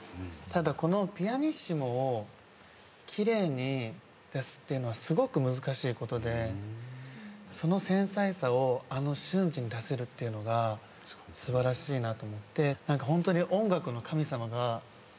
ただこのピアニッシモを奇麗に出すっていうのはすごく難しいことでその繊細さをあの瞬時に出せるっていうのが素晴らしいなと思ってホントに。